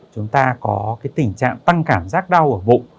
chúng ta có tình trạng tăng cảm giác đau ở bụng